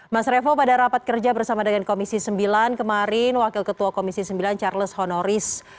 mas revo pada rapat kerja bersama dengan komisi sembilan kemarin wakil ketua komisi sembilan charles honoris